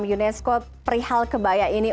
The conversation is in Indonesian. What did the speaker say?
unesco perihal kebaya ini